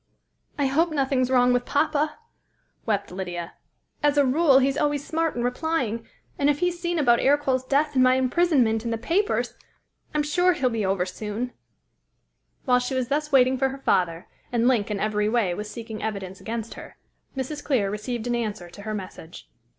"I hope nothing is wrong with poppa," wept Lydia. "As a rule, he is always smart in replying, and if he has seen about Ercole's death and my imprisonment in the papers, I'm sure he will be over soon." While she was thus waiting for her father, and Link in every way was seeking evidence against her, Mrs. Clear received an answer to her message.